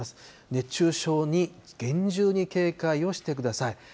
熱中症に厳重に警戒をしてください。